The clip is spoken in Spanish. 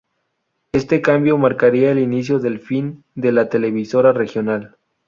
Este cambio marcaría el inicio del fin de la televisora regional.